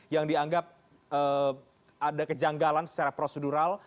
yang dianggap ada kejanggalan secara prosedural